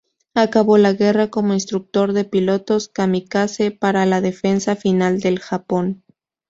Acabó la guerra como instructor de pilotos Kamikaze para la defensa final del Japón.